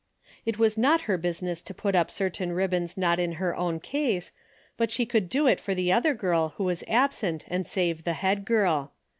It was not her business to put up cer tain ribbons not in her own case, but she could do it for the other girl who was absent and save the head girl.